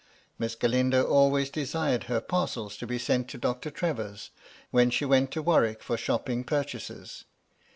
Miss Galindo always desired her parcels to be sent to Doctor Trevor's, when she went to Warwick for shopping purchases.